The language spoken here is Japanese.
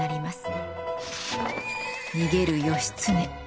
逃げる義経。